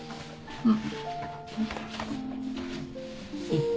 うん。